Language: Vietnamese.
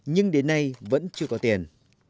nhưng đến nay vẫn chưa có tiền